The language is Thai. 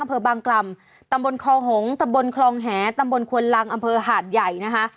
อำเภอบางกล่ำตำบลคอหงษ์ตำบลคลองแหตำบลควนลังอำเภอหาดใหญ่นะคะ